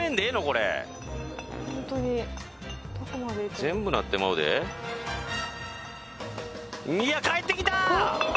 これ全部なってまうでいや返ってきた！